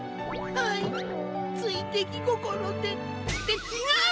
はいついできごころで。ってちがう！